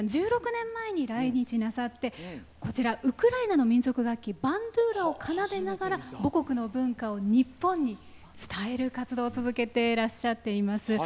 １６年前に来日なさってウクライナの民族楽器バンドゥーラを奏でながら母国の文化を日本に伝える活動を続けてらっしゃっています。